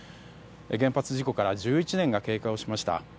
原発事故から１１年が経過しました。